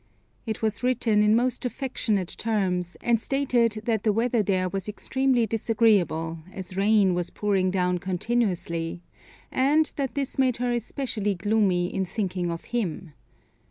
It was written in most affectionate terms, and stated that the weather there was extremely disagreeable, as rain was pouring down continuously, and that this made her especially gloomy in thinking of him.